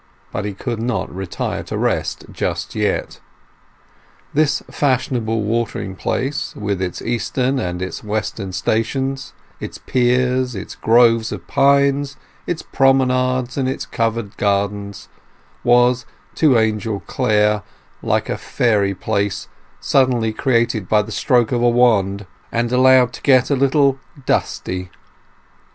But he could not retire to rest just yet. This fashionable watering place, with its eastern and its western stations, its piers, its groves of pines, its promenades, and its covered gardens, was, to Angel Clare, like a fairy place suddenly created by the stroke of a wand, and allowed to get a little dusty.